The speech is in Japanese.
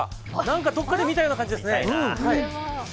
どこかで見たような感じですね。